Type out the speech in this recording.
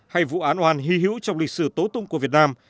hay vụ án oan hy hữu trong lịch sử tố tung của việt nam